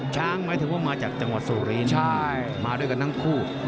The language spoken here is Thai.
หมายถึงว่ามาจากจังหวัดสุรินใช่มาด้วยกันทั้งคู่